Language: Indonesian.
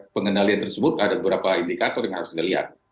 pengendalian tersebut ada beberapa indikator yang harus kita lihat